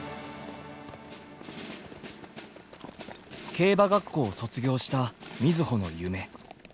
競馬学校を卒業した瑞穂の夢。